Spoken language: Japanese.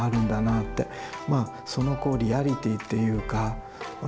そのこうリアリティーっていうか